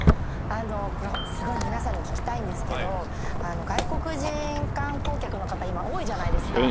すごい皆さんに聞きたいんですけど外国人観光客の方今多いじゃないですか。